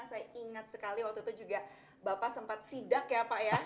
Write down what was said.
saya ingat sekali waktu itu juga bapak sempat sidak ya pak ya